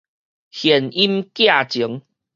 弦音寄情